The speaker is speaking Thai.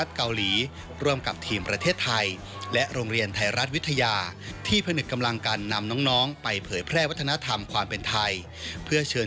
สาธารณรัฐเกาหลี